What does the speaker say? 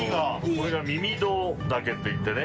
これが御三戸嶽っていってね